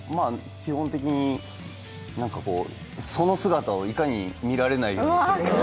基本的に、その姿をいかに見られないようにするか。